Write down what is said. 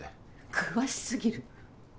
詳しすぎる。